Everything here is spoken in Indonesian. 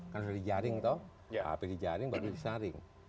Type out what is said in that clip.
karena dari jaring dpd jaring dpd disaring